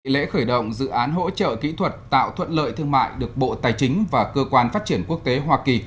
lễ khởi động dự án hỗ trợ kỹ thuật tạo thuận lợi thương mại được bộ tài chính và cơ quan phát triển quốc tế hoa kỳ